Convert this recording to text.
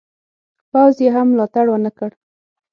پوځ یې هم ملاتړ ونه کړ.